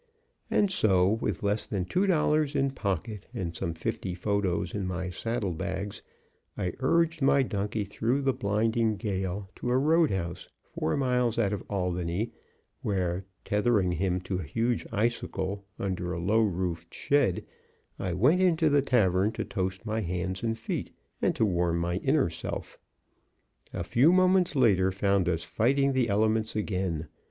And so, with less than two dollars in pocket and some fifty photos in my saddle bags, I urged my donkey through the blinding gale to a road house, four miles out of Albany, where tethering him to a huge icicle under a low roofed shed, I went into the tavern to toast my hands and feet, and to warm my inner self. A few moments later found us fighting the elements again.